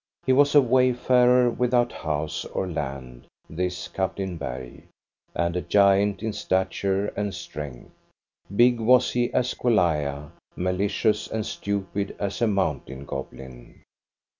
He was a wayfarer without house or land, this Captain Bergh, and a giant in stature and strength ; big was he as Goliath, malicious and stupid as a mountain goblin.